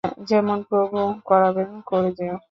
যেমন প্রভু করাবেন করে যেও।